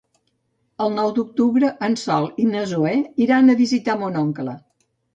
El nou d'octubre en Sol i na Zoè iran a visitar mon oncle.